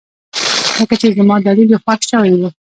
لکه چې زما دليل يې خوښ شوى و.